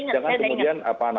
jangan kemudian apa namanya